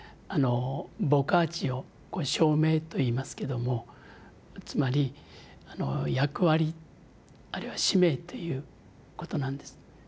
ボカーチオ「召命」といいますけどもつまり役割あるいは使命ということなんです。